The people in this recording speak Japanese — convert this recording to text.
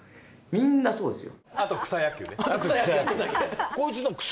みんなそうですよ